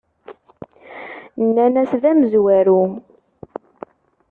Nnan-as: D amezwaru.